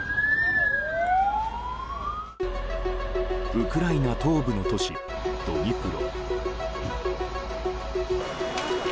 ウクライナ東部の都市ドニプロ。